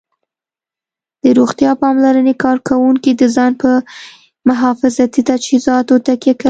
د روغتیا پاملرنې کارکوونکي د ځان په محافظتي تجهیزاتو تکیه کوي